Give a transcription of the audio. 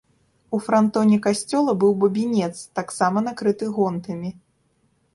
У франтоне касцёла быў бабінец, таксама накрыты гонтамі.